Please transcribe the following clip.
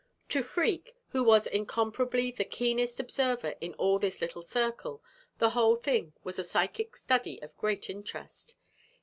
To Freke, who was incomparably the keenest observer in all this little circle, the whole thing was a psychic study of great interest.